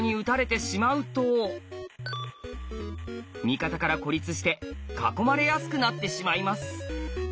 味方から孤立して囲まれやすくなってしまいます。